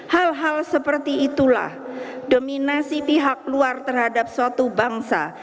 hal hal seperti itulah dominasi pihak luar terhadap suatu bangsa